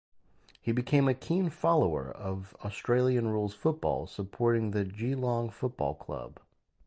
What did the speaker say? He became a keen follower of Australian rules football, supporting the Geelong Football Club.